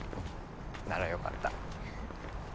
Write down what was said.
ならよかった。